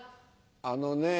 あのね